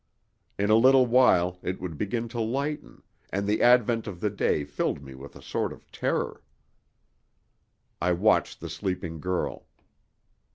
In a little while it would begin to lighten, and the advent of the day filled me with a sort of terror. I watched the sleeping girl.